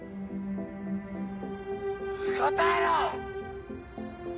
答えろ！！